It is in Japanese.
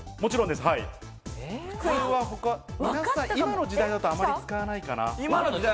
今の時代だと、あまり使わないかな。